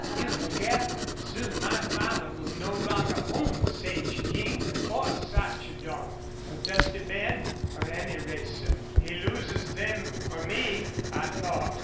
"You forget that soon my father will no longer own Sage King or Sarchedon or Dusty Ben or any racer. He loses them or me, I thought.